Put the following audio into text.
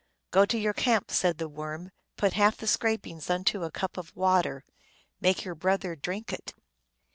u Go to your camp," said the Worm. " Put half the scrapings into a cup of water. Make your brother drink it."